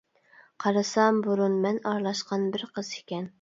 قارىسام بۇرۇن مەن ئارىلاشقان بىر قىز ئىكەن.